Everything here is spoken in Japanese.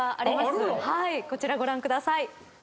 こちらご覧ください。